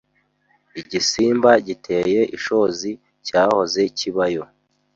Igisimba giteye ishozi cyahoze kibayo.